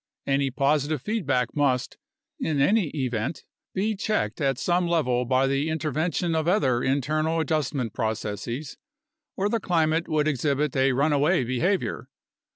Any positive feedback must, in any event, be checked at some level by the intervention of other internal adjustment processes, or the climate would exhibit a runaway behavior.